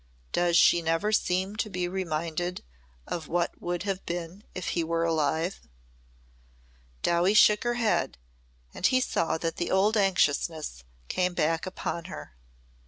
"Does she never seem to be reminded of what would have been if he were alive?" Dowie shook her head and he saw that the old anxiousness came back upon her.